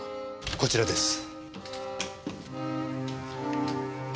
こちらです。